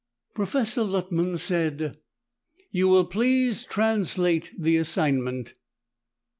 Professor Luttman said, "You will please translate the assignment."